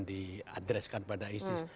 diadreskan pada isis